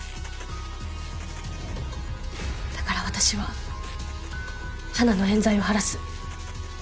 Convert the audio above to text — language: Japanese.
だから私は花の冤罪を晴らす。